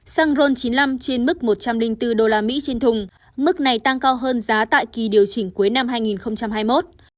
xăng ron chín mươi năm trên mức một trăm linh bốn usd trên thùng mức này tăng cao hơn giá tại kỳ điều chỉnh cuối năm hai nghìn hai mươi một